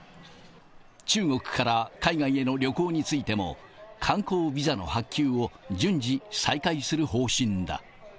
中国から海外への旅行についても、観光ビザの発給を順次再開する方針だ。